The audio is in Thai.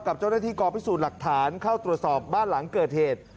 กับเจ้าหน้าที่กองพิสูจน์หลักฐานเข้าตรวจสอบบ้านหลังเกิดเหตุ